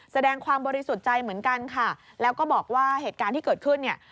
แสดงความบริสุทธิ์ใจเหมือนกันค่ะแล้วก็บอกว่าเหตุการณ์ที่เกิดขึ้นเนี่ย